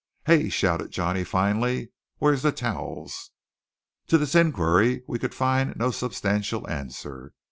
"Hey!" shouted Johnny finally, "where's the towels?" To this inquiry we could find no substantial answer.